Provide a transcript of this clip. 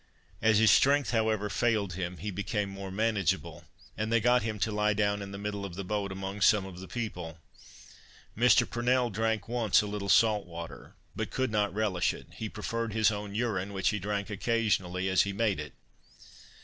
As his strength, however, failed him, he became more manageable, and they got him to lie down in the middle of the boat, among some of the people. Mr. Purnell drank once a little salt water, but could not relish it; he preferred his own urine, which he drank occasionally as he made it.